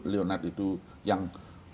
leonard itu yang